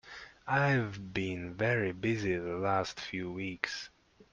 I've been very busy the last few weeks.